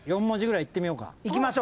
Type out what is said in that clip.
４文字ぐらいいってみようか。